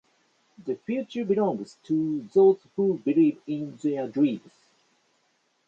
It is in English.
The future belongs to those who believe in their dreams.